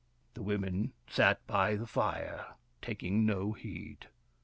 The women sat by the fire taking no heed.